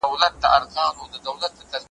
یوه شمع به ختمېږي خو بلېږي به سل نوري ,